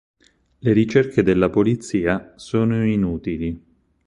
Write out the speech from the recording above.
Le ricerche della polizia sono inutili.